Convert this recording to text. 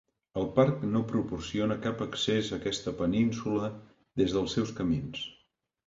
El parc no proporciona cap accés a aquesta península des dels seus camins.